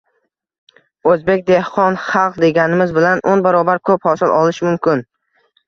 “Oʻzbek dehqon xalq” deganimiz bilan, o‘n barobar koʻp hosil olishi mumkin.